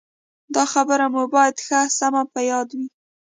دا خبره مو باید ښه سمه په یاد وي.